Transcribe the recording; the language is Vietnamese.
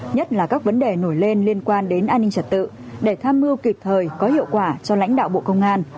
nhất là các vấn đề nổi lên liên quan đến an ninh trật tự để tham mưu kịp thời có hiệu quả cho lãnh đạo bộ công an